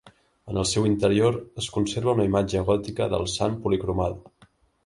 En el seu interior es conserva una imatge gòtica del Sant policromada.